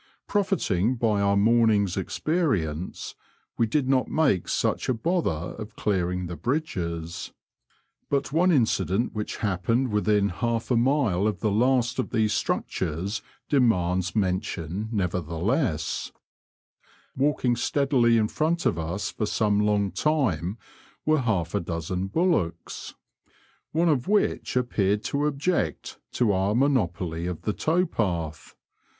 Profiting by our morning's experience, we did not make such a bother of clearing the bridges; but one incident which happened within half a mile of the last of these structures demands mention nevertheless. Walking steadily in front of us for some long time were half a dozen bullocks, one of which Digitized by VjOOQIC 140 BBOADS AND BIVEBS OF NOBFOLK AND SUFFOLK. appeared tr object to our monopoly of the tow path.